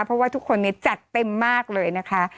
เพราะว่าทุกคนจัดเต็มมากเลยนะคะ